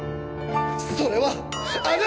それはあな。